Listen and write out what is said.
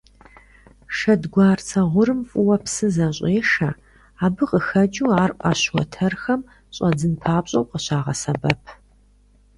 Шэдгуарцэ гъурым фӀыуэ псы зэщӀешэ, абы къыхэкӀыу ар Ӏэщ уэтэрхэм щӀэдзын папщӀэу къыщагъэсэбэп.